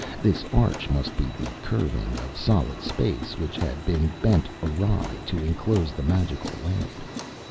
This arch must be the curving of solid space which had been bent awry to enclose the magical land.